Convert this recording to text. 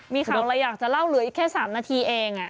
มีข่าวอะไรอยากจะเล่าเหลืออีกแค่๓นาทีเอง